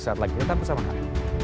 saat lagi tantang kesempatan